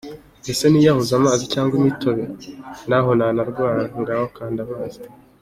Ese niyahuze amazi cyangwa se imitobe ? Naho nanarwara, ngaho kanda amazi.